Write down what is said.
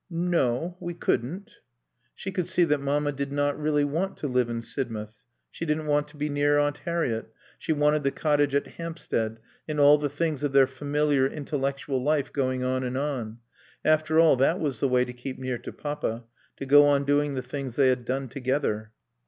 "No. We couldn't." She could see that Mamma did not really want to live in Sidmouth; she didn't want to be near Aunt Harriett; she wanted the cottage at Hampstead and all the things of their familiar, intellectual life going on and on. After all, that was the way to keep near to Papa, to go on doing the things they had done together.